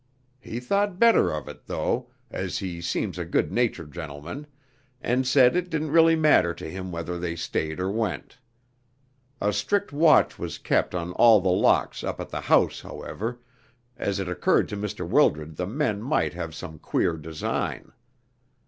He thought better of it, though, as he seems a good natured gentleman, and said it didn't really matter to him whether they stayed or went. A strict watch was kept on all the locks up at the house, however, as it occurred to Mr. Wildred the men might have some queer design.